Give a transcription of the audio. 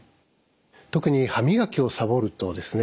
特に歯磨きをさぼるとですね